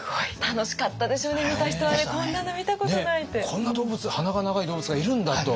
こんな動物鼻が長い動物がいるんだと。